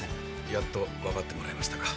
やっと分かってもらえましたか。